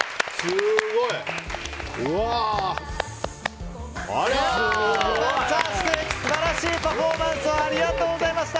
すごい。素晴らしいパフォーマンスありがとうございました！